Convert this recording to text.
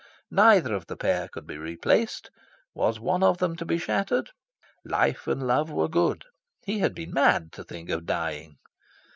Neither of the pair could be replaced. Was one of them to be shattered? Life and love were good. He had been mad to think of dying.